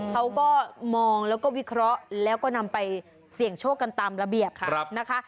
เขาก็มองแล้วก็วิเคราะห์แล้วก็นำไปเสี่ยงโชคกันตามระเบียบค่ะนะคะ